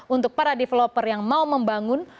untuk para developer yang mau membangun